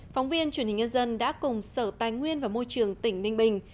phóng viên truyền hình nhân dân đã cùng sở tài nguyên và môi trường tỉnh ninh bình